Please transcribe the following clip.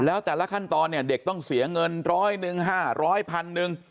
แล้วแต่ละขั้นตอนเนี่ยเด็กต้องเสียเงินร้อยหนึ่ง๕๐๐พันหนึ่ง